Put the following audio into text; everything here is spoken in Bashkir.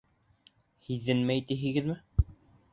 Һиҙенмәй тиһегеҙме?